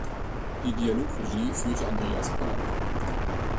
Die Dialogregie führte Andreas Pollak.